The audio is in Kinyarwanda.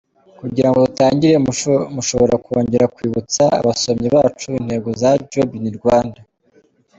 com : Kugirango dutangire, mushobora kongera kwibutsa abasomyi bacu intego za Job in Rwanda.